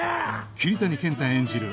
桐谷健太演じる